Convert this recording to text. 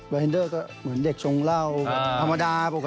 เห็นเดอร์ก็เหมือนเด็กชงเหล้าธรรมดาปกติ